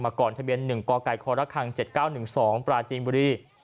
มาก่อนทะเบียนหนึ่งก้อกัยโคลระคังเจ็ดเก้าหนึ่งสองปลาจีนบุรี